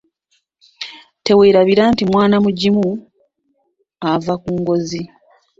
Teweerabira nti mwana mugimu ava ku ngozi.